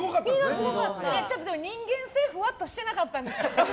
ちょっと人間性ふわっとしていなかったです。